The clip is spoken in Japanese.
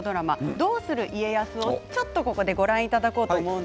「どうする家康」をちょっとご覧いただきます。